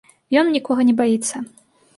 Ён нікога не баіцца!